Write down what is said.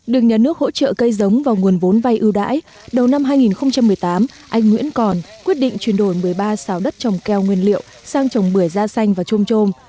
được nhà nước hỗ trợ cây giống và nguồn vốn vay ưu đãi đầu năm hai nghìn một mươi tám anh nguyễn còn quyết định chuyển đổi một mươi ba xào đất trồng keo nguyên liệu sang trồng bưởi da xanh và trôm trôm